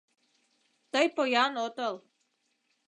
— Тый поян отыл.